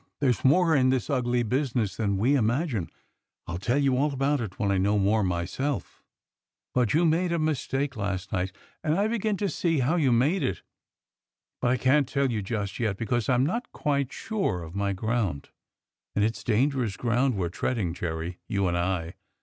There's more in this ugly business than we imagine. I'll tell you all about it when I know more myself, but you made a mistake last night, and I begin to see how you made it, but I can't tell you just yet, because I'm not quite sure of my ground; and it's dangerous ground we're treading, Jerry, you and I.